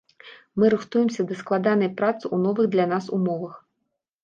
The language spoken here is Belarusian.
Мы рыхтуемся да складанай працы ў новых для нас умовах.